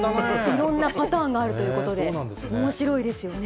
いろんなパターンがあるということで、おもしろいですよね。